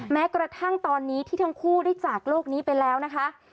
แม้กระทั่งตอนนี้ที่ทั้งคู่ได้จากโลกนี้ไปแล้วนะคะ